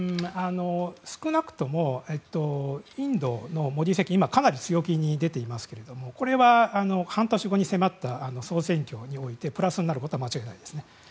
少なくともインドのモディ政権はかなり強気に出ていますけれどもこれは、半年後に迫った総選挙においてプラスになることは間違いないですね。